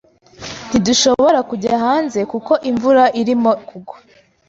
Ntidushobora kujya hanze kuko imvura irimo kugwa.